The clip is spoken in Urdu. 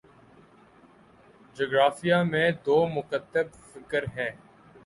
جغرافیہ میں دو مکتب فکر ہیں